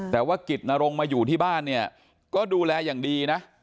แต่ว่ากิจนรงมาอยู่ที่บ้านเนี่ยก็ดูแลอย่างดีนะ